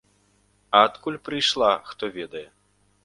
А адкуль прыйшла, хто ведае.